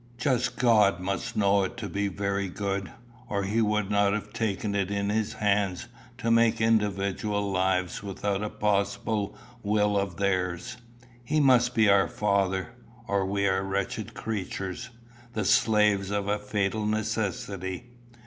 Just God must know it to be very good, or he would not have taken it in his hands to make individual lives without a possible will of theirs. He must be our Father, or we are wretched creatures the slaves of a fatal necessity!